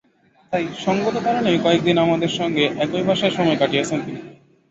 তাই সংগত কারণেই কয়েক দিন আমাদের সঙ্গে একই বাসায় সময় কাটিয়েছেন তিনি।